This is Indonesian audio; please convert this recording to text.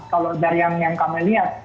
kalau dari yang kami lihat